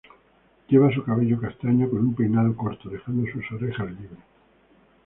Lleva su cabello castaño con un peinado corto, dejando sus orejas libres.